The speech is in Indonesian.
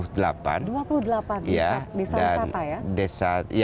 dua puluh delapan desa wisata ya